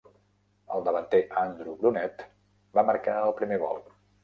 El davanter Andrew Brunette va marcar el primer gol.